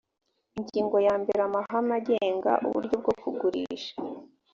ingingo ya mbere amahame agenga uburyo bwo kugurisha